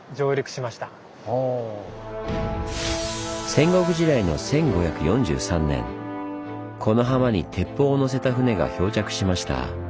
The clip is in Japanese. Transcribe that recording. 戦国時代の１５４３年この浜に鉄砲をのせた船が漂着しました。